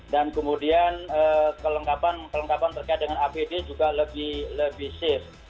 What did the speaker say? dan kemudian kelengkapan kelengkapan terkait dengan apd juga lebih lebih safe